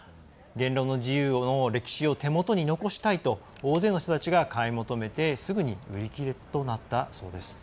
言論の自由の歴史を手元に残したいと大勢の人たちが買い求めてすぐに売り切れとなったそうです。